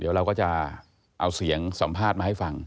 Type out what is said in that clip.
เดี๋ยวเราก็จะเอาเสียงสัมภาษณ์มาให้ฟัง